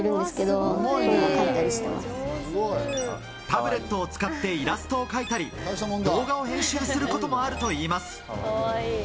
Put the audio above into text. タブレットを使ってイラストを描いたり、動画を編集することもあるといいます。